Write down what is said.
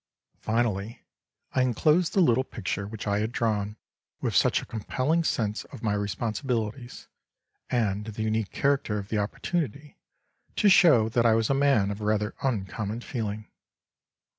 Finally I enclosed the little picture, which I had drawn with such a compelling sense of my responsibilities, and the unique character of the opportunity, to show that I was a man of rather uncommon feeling.